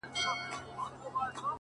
گوره وړې زيارت ته راسه زما واده دی گلي”